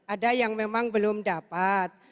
ada yang memang belum dapat